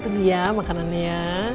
tunggu ya makanannya